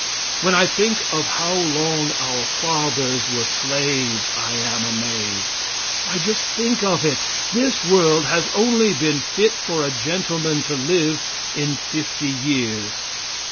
When I think of how long our fathers were slaves, I am amazed. Why, just think of it! This world has only been fit for a gentleman to live in fifty years.